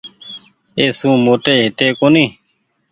اي سون موٽي هيتي ڪونيٚ۔